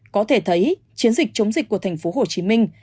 có thể thấy chiến dịch chống dịch của thành phố hồ chí minh